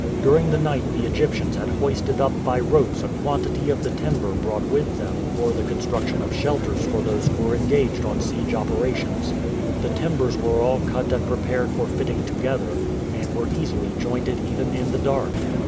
During the night the Egyptians had hoisted up by ropes a quantity of the timber brought with them for the construction of shelters for those who were engaged on siege operations. The timbers were all cut and prepared for fitting together, and were easily jointed even in the dark.